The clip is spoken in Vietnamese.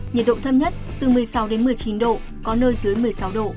nhiệt độ thâm nhất từ một mươi sáu một mươi chín độ có nơi dưới một mươi sáu độ